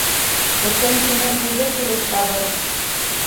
Хөкөм һине үҙе килеп табыр!